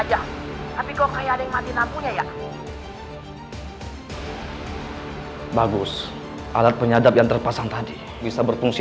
aja tapi kok kayak ada yang mati nakunya ya bagus alat penyadap yang terpasang tadi bisa berfungsi